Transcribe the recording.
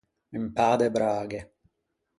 Un pâ de braghe.